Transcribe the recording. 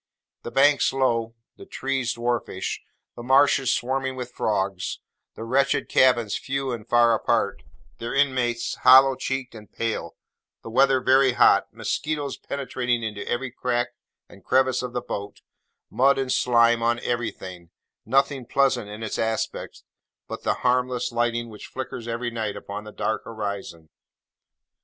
The banks low, the trees dwarfish, the marshes swarming with frogs, the wretched cabins few and far apart, their inmates hollow cheeked and pale, the weather very hot, mosquitoes penetrating into every crack and crevice of the boat, mud and slime on everything: nothing pleasant in its aspect, but the harmless lightning which flickers every night upon the dark horizon.